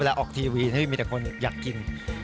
เวลาออกทีวีที่ไม่มีแต่คนอยากกิน